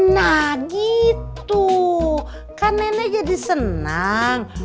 nah gitu kan nenek jadi senang